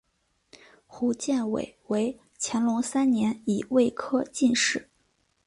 胡建伟为乾隆三年己未科进士。